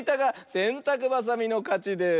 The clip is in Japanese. せんたくばさみのかちです！